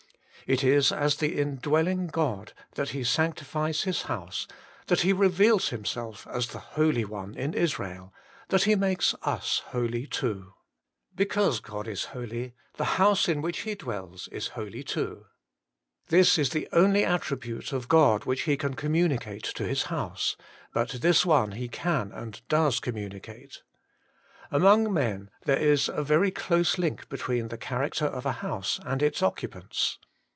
It is as the indwelling God that He sanctifies His house, that He reveals Himself as the Holy One in Israel, that He makes us holy too. Because God is holy, the house, in which He 74 HOLY IN CHRIST. dwells is holy too. This is the only attribute of God which He can communicate to His house ; but this one He can and does communicate. Among men there is a very close link between the character of a house and its occupants.